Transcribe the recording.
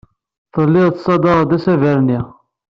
Tellid tessadared asaber-nni.